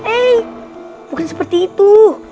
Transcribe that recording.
eh bukan seperti itu